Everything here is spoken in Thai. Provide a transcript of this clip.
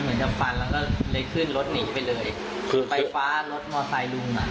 มันก็บิดไปเลยไปรอ